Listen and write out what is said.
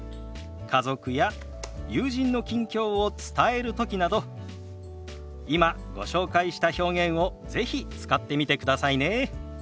家族や友人の近況を伝える時など今ご紹介した表現を是非使ってみてくださいね。